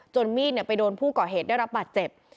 มีดไปโดนผู้ก่อเหตุได้รับบาดเจ็บ